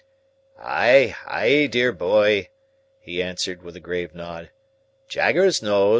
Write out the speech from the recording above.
"Ay, ay, dear boy!" he answered, with a grave nod, "Jaggers knows."